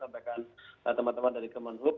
sampaikan teman teman dari kemenhub